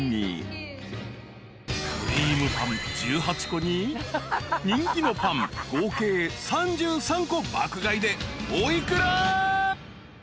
［クリームパン１８個に人気のパン合計３３個爆買いでお幾ら？］